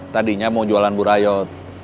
tadinya mau jualan burayot